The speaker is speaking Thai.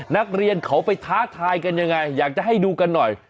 นักเรียนเขาไปท้าทายกันยังไงอยากจะให้ดูกันหน่อย